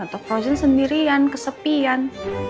tante frozen sendirian kesepian